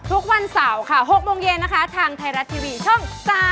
ทุกวันเสาร์ค่ะ๖โมงเย็นนะคะทางไทยรัฐทีวีช่อง๓๒